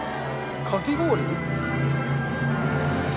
かき氷？